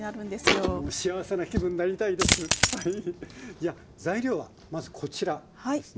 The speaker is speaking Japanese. じゃあ材料はまずこちらですね。